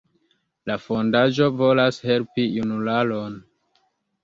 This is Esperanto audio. La fondaĵo volas helpi junularon.